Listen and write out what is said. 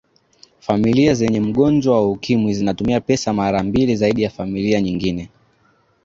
familia zenye mgonjwa wa ukimwi zinatumia pesa mara mbili zaidi ya familia nyingine